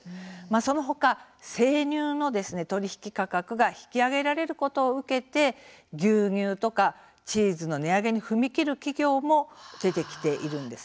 その他生乳の取引価格が引き上げられることを受けて牛乳とかチーズの値上げに踏み切る企業も出てきているんです。